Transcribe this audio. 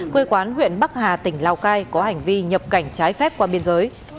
quê quán huyện bắc hà tỉnh lào cai có hành vi nhập cảnh trái phép qua biên giới